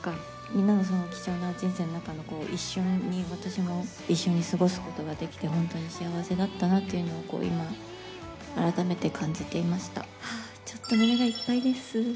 みんなのその貴重の人生の中の一瞬に、私も一緒に過ごすことができて、本当に幸せだったなっていうのを、今、改めて感じていました。